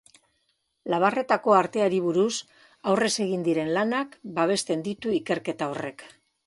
Labarretako arteari buruz aurrez egin diren lanak babesten ditu ikerketa horrek.